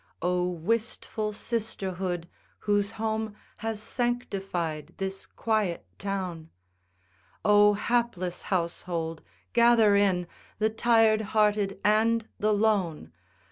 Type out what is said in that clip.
Oh, wistful sisterhood, whose home Has sanctified this quiet town! Oh, hapless household, gather in The tired hearted and the lone!